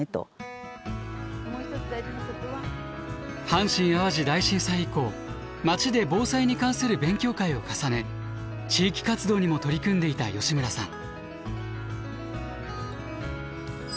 阪神・淡路大震災以降町で防災に関する勉強会を重ね地域活動にも取り組んでいた吉村さん。